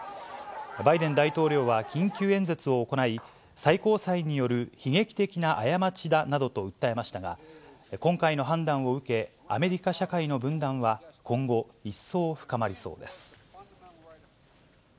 バイデン大統領は緊急演説を行い、最高裁による悲劇的な過ちだなどと訴えましたが、今回の判断を受け、アメリカ社会の分断は今後、一層深まりそうです。